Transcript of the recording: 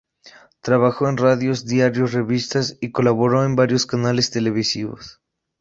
Trabajó en radios, diarios, revistas, y colaboró en varios canales televisivos.